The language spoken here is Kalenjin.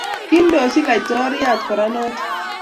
Kindochi laitoriat kora notok